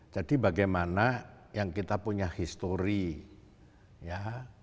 jadi bagaimana yang kita punya history ya